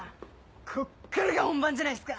こっからが本番じゃないすか！